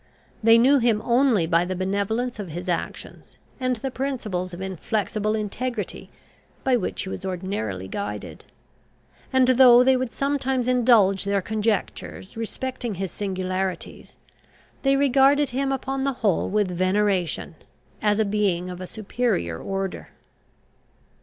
They knew him only by the benevolence of his actions, and the principles of inflexible integrity by which he was ordinarily guided; and though they would sometimes indulge their conjectures respecting his singularities, they regarded him upon the whole with veneration, as a being of a superior order.